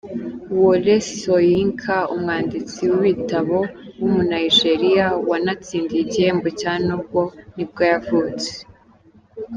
Wole Soyinka, umwanditsi w’ibitabo w’umunyanigeriya wanatsindiye igihembo cya Nobel nibwo yavutse.